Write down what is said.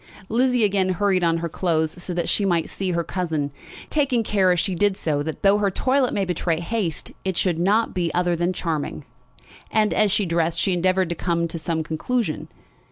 Lizzie again hurried on her clothes so that she might see her cousin, taking care as she did so that though her toilet might betray haste, it should not be other than charming. And as she dressed she endeavoured to come to some conclusion.